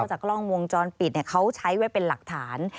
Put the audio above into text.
จากกล้องวงจรปิดเขาใช้ไว้เป็นหลักฐาน